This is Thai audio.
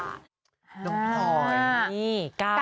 ต้องถอยนี่๙๕